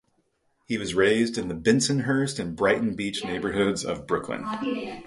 He was raised in the Bensonhurst and Brighton Beach neighborhoods of Brooklyn.